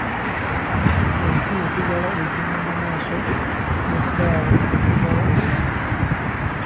Ensi esigala egenda mu maaso n’essaawa esigala ebala.